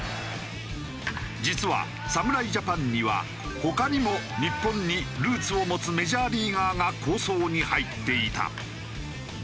実は侍ジャパンには他にも日本にルーツを持つメジャーリーガーが構想に入っていた。